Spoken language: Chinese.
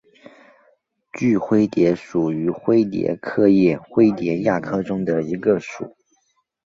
锯灰蝶属是灰蝶科眼灰蝶亚科中的一个属。